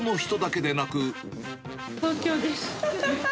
東京です。